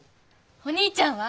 お兄ちゃんは？